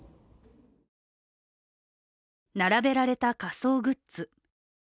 並べられた仮装グッズ。